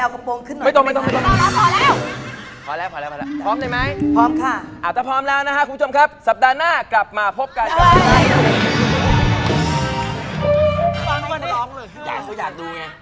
เอากระโปรงขึ้นหน่อยไม่ต้อง